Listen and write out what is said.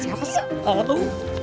siapa siaran itu